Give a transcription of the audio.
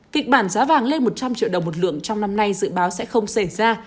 kịch bản giá vàng lên một trăm linh triệu đồng một lượng trong năm nay dự báo sẽ không xảy ra